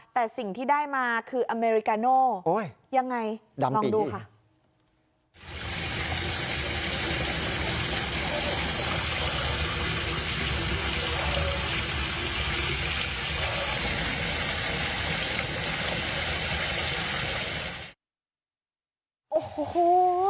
แต่สิ่งที่ได้มาคืออเมริกาโน่ยังไงลองดูค่ะ